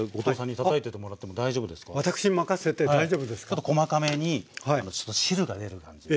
ちょっと細かめにちょっと汁が出る感じで。